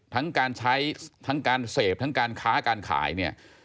ทั้งการใช้ทั้งการเสพทั้งการค้าการขายเนี่ย